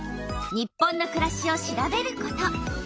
「日本のくらし」を調べること。